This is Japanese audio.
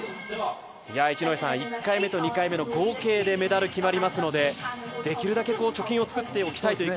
１回目と２回目の合計でメダルが決まりますので、できるだけ貯金をつくっておきたい